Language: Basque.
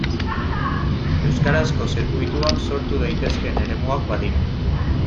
Euskarazko zirkuituak sortu daitezkeen eremuak badira.